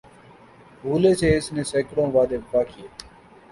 بھولے سے اس نے سیکڑوں وعدے وفا کیے